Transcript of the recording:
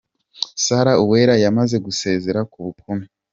Sarah Uwera yamaze gusezera ku bukumi.